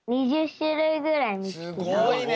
すごいね。